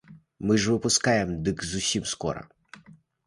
Мы ж выпускаем дыск зусім скора.